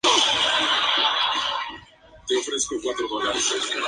Fue nombrado Doppler en honor al físico y matemático alemán Christian Andreas Doppler.